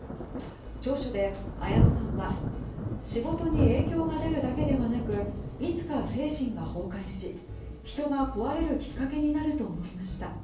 調書で綾野さんは仕事に影響が出るだけではなくいつか精神が崩壊し人が壊れるきっかけになると思いました。